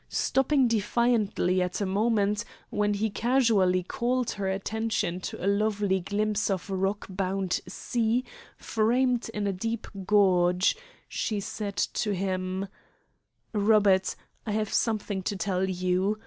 Stopping defiantly at a moment when he casually called her attention to a lovely glimpse of rock bound sea framed in a deep gorge, she said to him: "Robert, I have something to tell you.